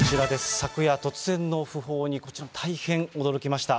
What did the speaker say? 昨夜、突然の訃報に、こちらも大変驚きました。